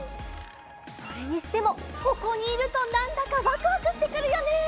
それにしてもここにいるとなんだかワクワクしてくるよね！